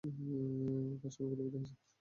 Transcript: তার স্বামী গুলিবিদ্ধ হয়েছে।